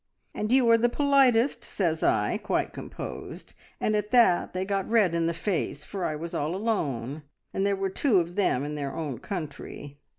"And you are the politest," says I, quite composed, and at that they got red in the face, for I was all alone, and there were two of them in their own country.